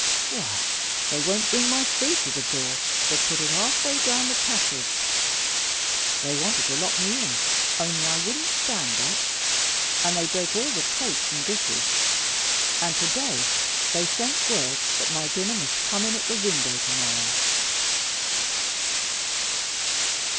Why they won't bring my food to the door, but put it half way down the passage. They wanted to lock me in, only I wouldn't stand that; and they break all the plates and dishes, and to day they sent word that my dinner must come in at the window to morrow."